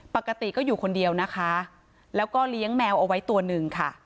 ปกติก็อยู่คนเดียวนะคะแล้วก็เลี้ยงแมวเอาไว้ตัวหนึ่งค่ะ